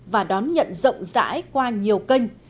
và đón nhận rộng rãi qua nhiều kênh